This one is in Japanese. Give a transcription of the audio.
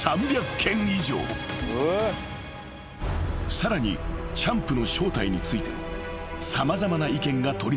［さらにチャンプの正体についても様々な意見が取り沙汰された］